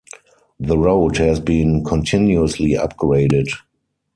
The road has been continuously upgraded.